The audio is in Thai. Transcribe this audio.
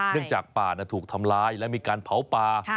เนื่องจากป่าถูกทำลายและมีการเผาป่า